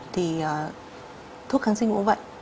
thì thuốc kháng sinh cũng vậy